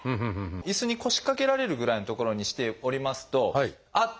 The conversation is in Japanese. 椅子に腰掛けられるぐらいの所にしておりますとあっ！